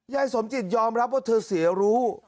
สมจิตยอมรับว่าเธอเสียรู้